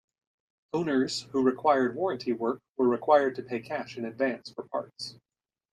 Owners who required warranty work were required to pay cash in advance for parts.